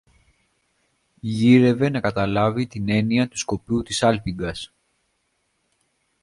Γύρευε να καταλάβει την έννοια του σκοπού της σάλπιγγας